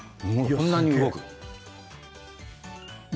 こんなに動く。